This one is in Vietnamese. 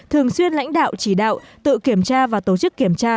thường xuyên lãnh đạo chỉ đạo tự kiểm tra và tổ chức kiểm tra